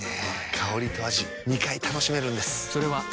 香りと味２回楽しめるんです。